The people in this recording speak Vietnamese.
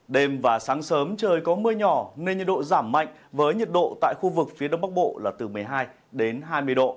đêm và sáng sớm trời có mưa nhỏ nên nhiệt độ giảm mạnh với nhiệt độ tại khu vực phía đông bắc bộ là từ một mươi hai đến hai mươi độ